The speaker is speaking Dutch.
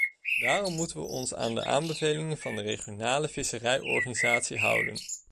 Daarom moeten we ons aan de aanbevelingen van de regionale visserijorganisaties houden.